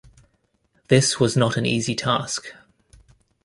This was not an easy task.